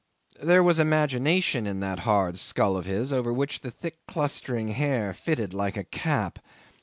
There was imagination in that hard skull of his, over which the thick clustering hair fitted like a cap.